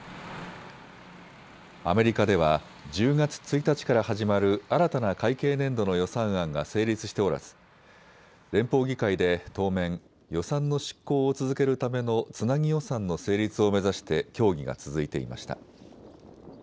アメリカでは１０月１日から始まる新たな会計年度の予算案が成立しておらず連邦議会で当面、予算の執行を続けるためのつなぎ予算の成立を目指して協議が続いていました。